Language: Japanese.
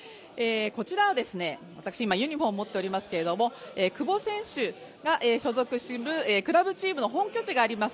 こちらは私、今ユニフォームを持っておりますけれども、久保選手が所属するクラブチームの本拠地があります